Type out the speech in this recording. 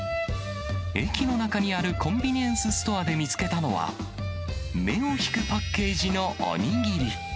駅の中にあるコンビニエンスストアで見つけたのは、目を引くパッケージのお握り。